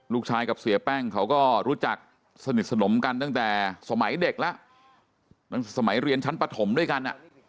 กับเสียแป้งเขาก็รู้จักสนิทสนมกันตั้งแต่สมัยเด็กแล้วตั้งแต่สมัยเรียนชั้นปฐมด้วยกัน